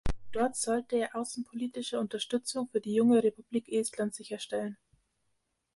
Dort sollte er außenpolitische Unterstützung für die junge Republik Estland sicherstellen.